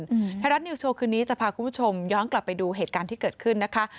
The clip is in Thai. ไทยรัฐนิวโชว์คืนนี้จะพาคุณผู้ชมย้อนกลับไปดูเหตุการณ์ที่เกิดขึ้นนะคะ